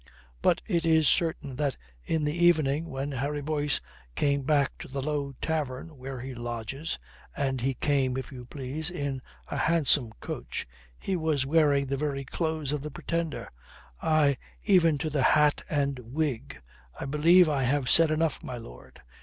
But it is certain that in the evening when Harry Boyce came back to the low tavern where he lodges and he came, if you please, in a handsome coach he was wearing the very clothes of the Pretender aye, even to the hat and wig. I believe I have said enough, my lord.